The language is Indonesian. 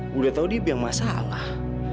gue udah tahu dia biang masalah